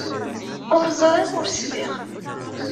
Ur ẓriɣ ur sliɣ.